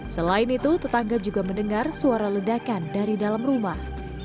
selain itu tetangga juga mendengar suara ledakan dari dalam rumah